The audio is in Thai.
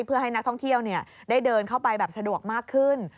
เพื่อให้นักท่องเที่ยวได้เดินเข้าไปแบบสะดวกมากขึ้น